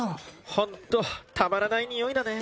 ホントたまらないニオイだね